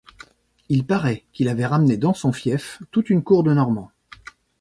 Il parait qu'il avait ramener dans son fief toute une cour de Normands.